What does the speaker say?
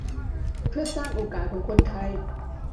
เพื่อสร้างโอกาสของคนไทย